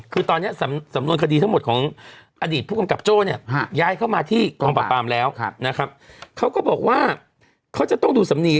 คือตอนนี้สำนวนขดีทั้งหมดของ